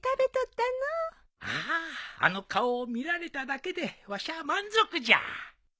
あああの顔を見られただけでわしゃ満足じゃ。